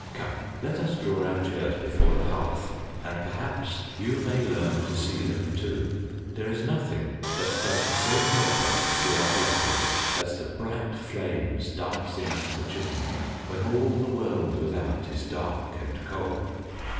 "Come, let us draw our chairs before the hearth, and perhaps you may learn to see them too. There is nothing that does so help us see our blessings as the bright flames dancing up the chimney when all the world without is dark and cold."